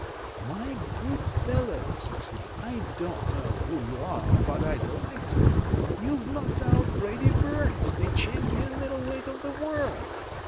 "'My good fellow,' says he, 'I don't know who you are, but I'd like to. You've knocked out Reddy Burns, the champion middle weight of the world!